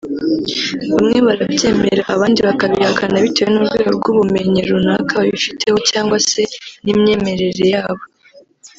Bamwe barabyemera abandi bakabihakana bitewe n’urwego rw’ubumenyi runaka babifiteho cyangwa se n’imyemerere yabo